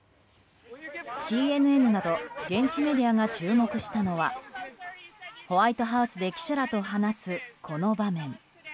ＣＮＮなど現地メディアが注目したのはホワイトハウスで記者らと話すこの場面。